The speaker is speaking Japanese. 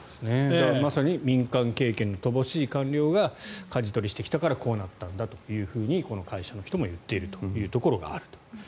まさに民間経験の乏しい官僚がかじ取りしてきたからこうなったんだというふうにこの会社の人も言っているというところがあると。